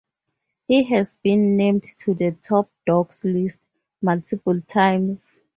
He has been named to the Top Docs list multiple times.